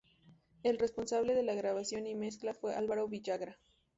El responsable de grabación y mezcla fue Álvaro Villagra.